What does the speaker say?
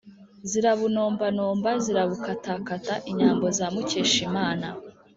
Zirabunombanomba zirabukatakata inyambo za Mukeshimana